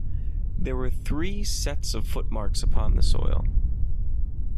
There were three sets of footmarks upon the soil.